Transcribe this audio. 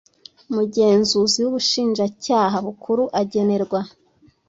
Umugenzuzi w Ubushinjacyaha Bukuru agenerwa